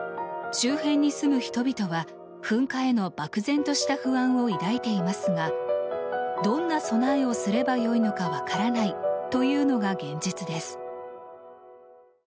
周辺に住む人々は、噴火への漠然とした不安を抱いていますがどんな備えをすれば良いのか分からないというのが現実です。